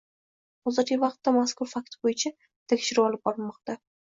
Hozirgi vaqtda mazkur fakt bo‘yicha tekshiruv olib borilmoqda